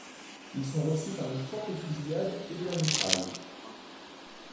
Ils sont reçus par une forte fusillade et de la mitraille.